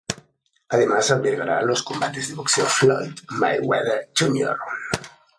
Además albergará los combates de boxeo Floyd Mayweather Jr.